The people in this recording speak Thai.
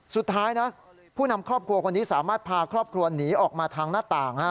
สุดท้ายนะผู้นำครอบครัวคนนี้สามารถพาครอบครัวหนีออกมาทางหน้าต่าง